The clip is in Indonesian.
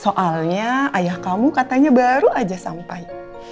soalnya ayah kamu katanya baru aja sampai